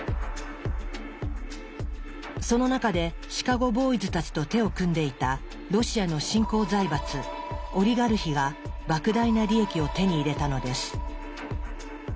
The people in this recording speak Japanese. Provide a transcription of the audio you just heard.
その中でシカゴ・ボーイズたちと手を組んでいたロシアの新興財閥オリガルヒが莫大な利益を手に入れたのです。